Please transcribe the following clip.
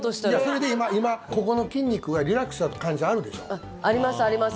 それで今、ここの筋肉がリラックスした感じあります、あります。